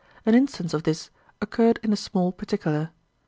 An instance of this occurred in a small particular.